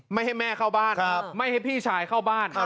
ไม่ให้แม่เข้าบ้านไม่ให้พี่ชายเข้าบ้าน